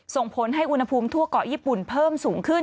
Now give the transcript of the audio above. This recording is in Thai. ส่งผลให้อุณหภูมิทั่วเกาะญี่ปุ่นเพิ่มสูงขึ้น